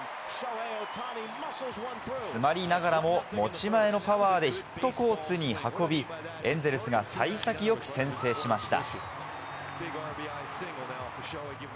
詰まりながらも、持ち前のパワーでヒットコースに運び、エンゼルスが幸先よく先制しました。